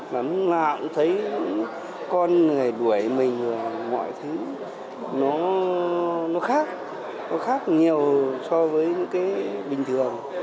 mà lúc nào cũng thấy con người đuổi mình và mọi thứ nó khác nó khác nhiều so với những cái bình thường